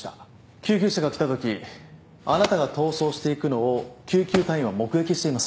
救急車が来たときあなたが逃走していくのを救急隊員は目撃しています。